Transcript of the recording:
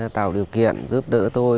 tạo điều kiện giúp đỡ tôi